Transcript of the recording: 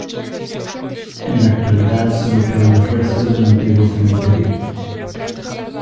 En la actualidad sólo quedan los restos del antiguo cementerio.